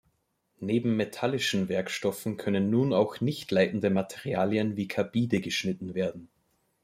Neben metallischen Werkstoffen können nun auch nichtleitende Materialien wie Carbide geschnitten werden.